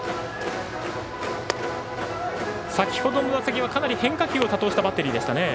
先ほどの打席はかなり変化球を多投したバッテリーでしたね。